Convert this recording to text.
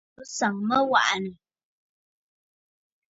Bɨ sàŋ mə aŋwàʼànə̀.